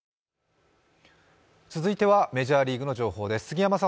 続いてはメジャーリーグの情報です。